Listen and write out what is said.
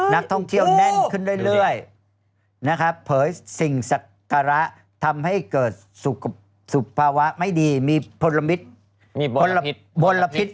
นักท่องเที่ยวแน่นขึ้นเรื่อยนะครับเผยสิ่งศักระทำให้เกิดสุขภาวะไม่ดีมีพลพิษ